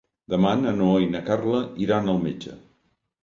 Demà na Noa i na Carla iran al metge.